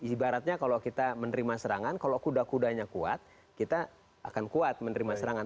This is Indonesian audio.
ibaratnya kalau kita menerima serangan kalau kuda kudanya kuat kita akan kuat menerima serangan